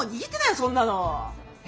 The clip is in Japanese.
そんなの。え？